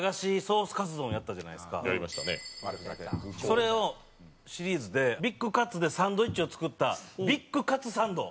それをシリーズでビッグカツでサンドイッチを作ったビッグカツサンド